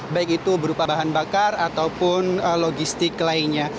baik itu berupa bahan bakar ataupun logistik lainnya